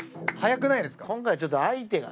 今回ちょっと相手がね。